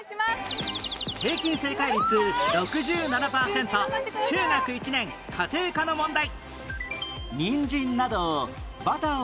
平均正解率６７パーセント中学１年家庭科の問題